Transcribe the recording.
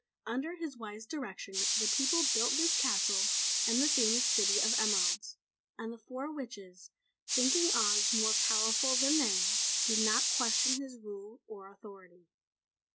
Under his wise direction the people built this castle and the famous city of Emeralds; and the four witches, thinking Oz more powerful than they, did not question his rule or authority.